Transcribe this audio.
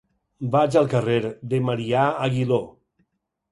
Vaig al carrer de Marià Aguiló.